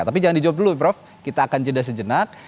tapi jangan dijawab dulu prof kita akan jeda sejenak